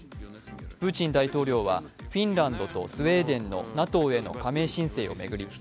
プーチン大統領はフィンランドとスウェーデンのＮＡＴＯへの加盟申請を巡り